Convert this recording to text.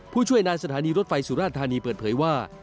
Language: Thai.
ผู้ช่วยนายสถานีรถไฟสุราธานีเปิดเผยว่า